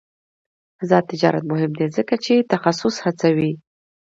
آزاد تجارت مهم دی ځکه چې تخصص هڅوي.